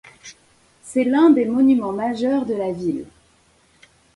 C'est l'un des monuments majeur de la ville.